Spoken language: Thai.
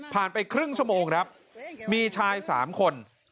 ไปครึ่งชั่วโมงครับมีชาย๓คน